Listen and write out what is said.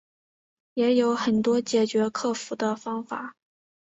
也有很多解决克服的方法